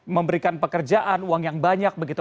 memberikan pekerjaan uang yang banyak begitu